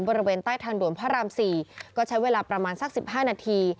บริเวณใต้ทางด่วนพระราม๔ก็ใช้เวลาประมาณสัก๑๕นาที